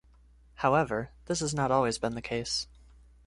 However, this has not always been the case.